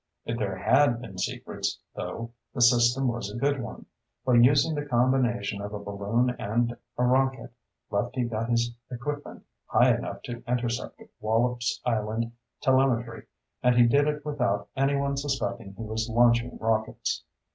If there had been secrets, though, the system was a good one. By using the combination of a balloon and a rocket, Lefty got his equipment high enough to intercept Wallops Island telemetry, and he did it without anyone suspecting he was launching rockets.